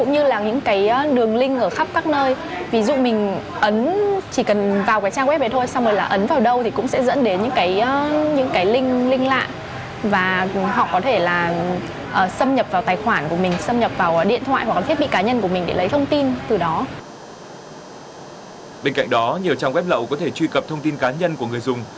nhiều trang web lậu có thể truy cập thông tin cá nhân của người dùng